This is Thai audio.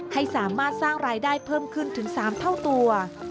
ให้สามารถสร้างรายได้เพิ่มขึ้นถึง๓เท่าตัว